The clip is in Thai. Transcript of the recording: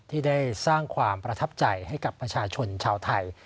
ที่ได้สร้างความประทับใจให้กับประชาชนชาวไทย